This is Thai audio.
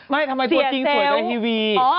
ไม่ทำไมตัวจริงสวยกว่าในทีวี